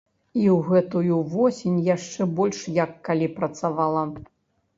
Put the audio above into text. І ў гэтую восень яшчэ больш як калі працавала!